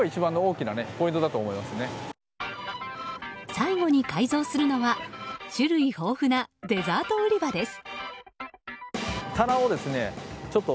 最後に改造するのは種類豊富なデザート売り場です。